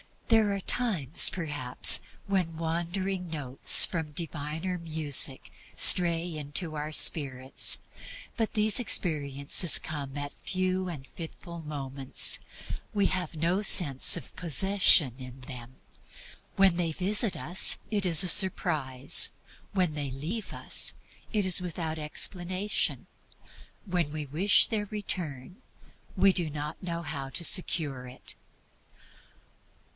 There are times, perhaps, when wandering notes from a diviner music stray into our spirits; but these experiences come at few and fitful moments. We have no sense of possession in them. When they visit us, it is a surprise. When they leave us, it is without explanation. When we wish their return, we do not know how to secure it.